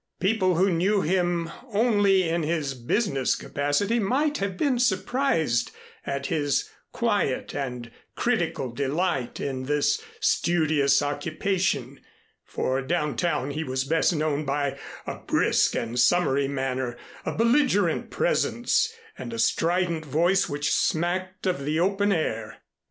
People who knew him only in his business capacity might have been surprised at his quiet and critical delight in this studious occupation, for down town he was best known by a brisk and summary manner, a belligerent presence and a strident voice which smacked of the open air.